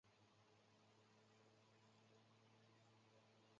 输入偏置电流及输入失调电流同样影响该差动放大器线路上的失调电压。